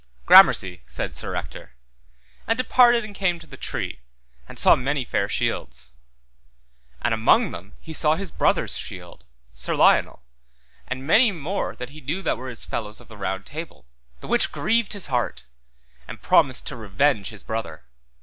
Gramercy, said Sir Ector, and departed and came to the tree, and saw many fair shields. And among them he saw his brother's shield, Sir Lionel, and many more that he knew that were his fellows of the Round Table, the which grieved his heart, and promised to revenge his brother.